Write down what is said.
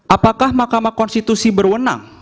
apakah mahkamah konstitusi berwenang